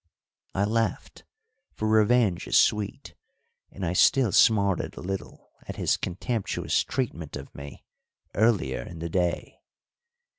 I laughed, for revenge is sweet, and I still smarted a little at his contemptuous treatment of me earlier in the day.